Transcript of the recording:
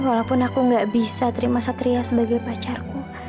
walaupun aku gak bisa terima satria sebagai pacarku